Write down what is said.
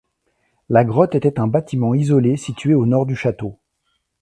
La grotte était un bâtiment isolé situé au nord du château.